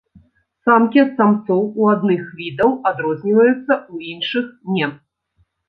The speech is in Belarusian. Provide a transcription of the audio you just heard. Самкі ад самцоў у адных відаў адрозніваюцца, у іншых не.